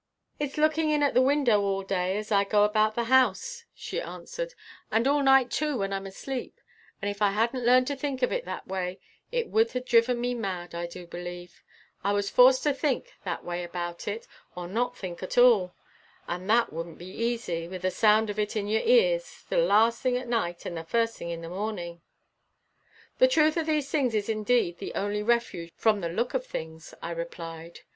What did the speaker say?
"It's looking in at the window all day as I go about the house," she answered, "and all night too when I'm asleep; and if I hadn't learned to think of it that way, it would have driven me mad, I du believe. I was forced to think that way about it, or not think at all. And that wouldn't be easy, with the sound of it in your ears the last thing at night and the first thing in the morning." "The truth of things is indeed the only refuge from the look of things," I replied.